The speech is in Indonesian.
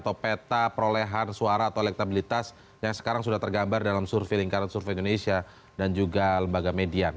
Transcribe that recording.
atau peta perolehan suara atau elektabilitas yang sekarang sudah tergambar dalam survei lingkaran survei indonesia dan juga lembaga median